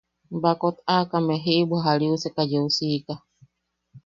Baakot aakame jiʼibwa jariuseka yeu siika.